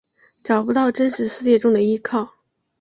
找不到真实世界中的依靠